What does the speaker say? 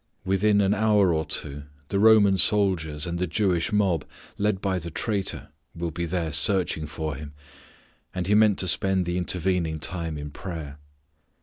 Within an hour or two the Roman soldiers and the Jewish mob, led by the traitor, will be there searching for Him, and He meant to spend the intervening time in prayer.